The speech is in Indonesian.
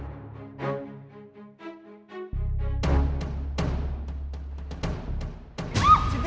ada ada aja deh di rumah ini